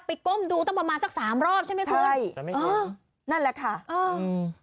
ก้มดูตั้งประมาณสักสามรอบใช่ไหมคุณใช่อ๋อนั่นแหละค่ะอ่าอืม